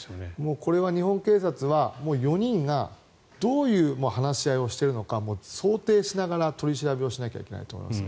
これは日本警察は４人がどういう話し合いをしているのか想定しながら取り調べをしなきゃいけないと思いますね。